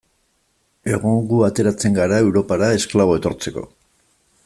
Egun gu ateratzen gara Europara esklabo etortzeko.